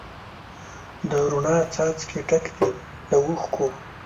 د روڼا څاڅکي ډک دي له اوښکو